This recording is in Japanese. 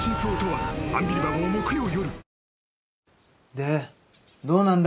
でどうなんだ